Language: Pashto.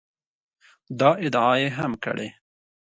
دا ادعا یې هم کړې